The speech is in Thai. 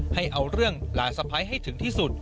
ให้เอาเรื่องหลานสะพ้ายให้ถึงที่สุด